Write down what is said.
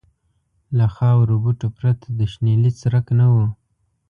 له خارو بوټو پرته د شنیلي څرک نه و.